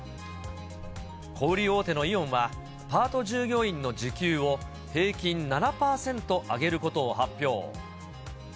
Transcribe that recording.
小売り大手のイオンは、パート従業員の時給を平均７％上げることを発表。